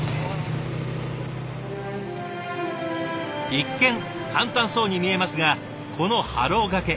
一見簡単そうに見えますがこのハロー掛け